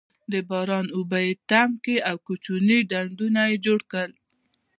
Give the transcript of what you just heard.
د باران اوبه یې تم کړې او کوچني ډنډونه یې جوړ کړل.